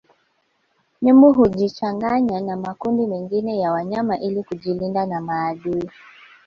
Nyumbu hujichanganya na makundi mengine ya wanyama ili kujilinda na maadui